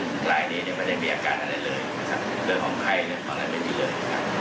ในรายเดียนมันไม่ได้มีอาการอะไรเลยเรื่องของไข้เรื่องของอะไรไม่ดีเลย